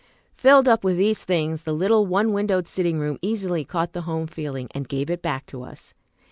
Filled up with these things, the little one windowed sitting room easily caught the home feeling, and gave it back to us.